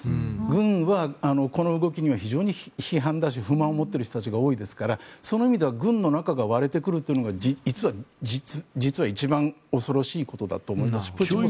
軍はこの動きには非常に不満だし批判を持っている人が多いですからそういう意味では軍の中が割れてくるのが実は一番恐ろしいことだと思います。